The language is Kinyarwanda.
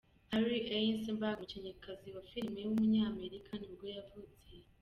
Hallie Eisenberg, umukinnyikazi wa film w’umunyamerika nibwo yavutse.